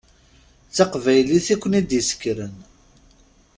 D taqbaylit i ken-id-yessekren.